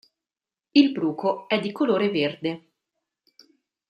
Il bruco è di colore verde.